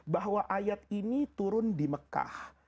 bahwa ayat ini turun di mekah